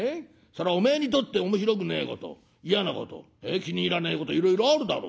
そらおめえにとって面白くねえこと嫌なこと気に入らねえこといろいろあるだろうよ。